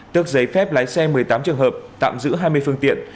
tước giấy phép lái xe một mươi tám trường hợp tạm giữ hai mươi phương tiện